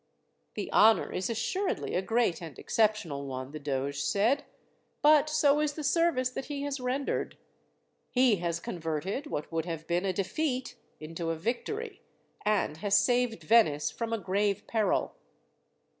"The honour is assuredly a great and exceptional one," the doge said, "but so is the service that he has rendered. He has converted what would have been a defeat into a victory, and has saved Venice from a grave peril.